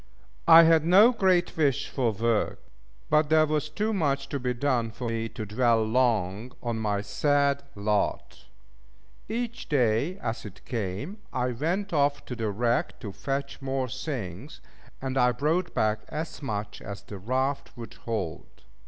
I had no great wish for work: but there was too much to be done for me to dwell long on my sad lot. Each day as it came, I went off to the wreck to fetch more things; and I brought back as much as the raft would hold.